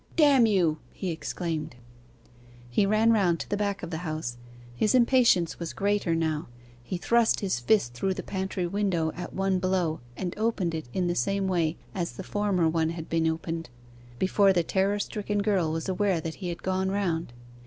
'Damn you!' he exclaimed. He ran round to the back of the house. His impatience was greater now: he thrust his fist through the pantry window at one blow, and opened it in the same way as the former one had been opened, before the terror stricken girl was aware that he had gone round.